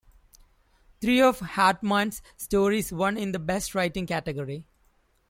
Three of Hartman's stories won in the Best Writing category.